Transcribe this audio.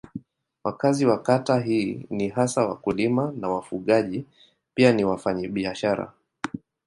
Wakazi wa kata hii ni hasa wakulima na wafugaji pia ni wafanyabiashara.